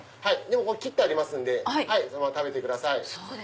切ってありますんでそのまま食べてください。